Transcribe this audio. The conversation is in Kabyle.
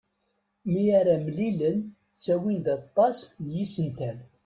Mi ara mlilen ttawin-d aṭas n yisental.